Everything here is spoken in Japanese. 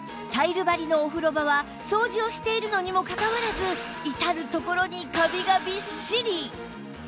タイル張りのお風呂場は掃除をしているのにもかかわらず至る所にカビがびっしり